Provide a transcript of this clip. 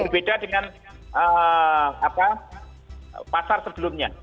berbeda dengan pasar sebelumnya